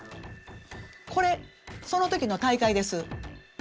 これその時の大会です。